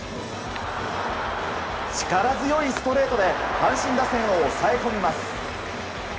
力強いストレートで阪神打線を抑え込みます。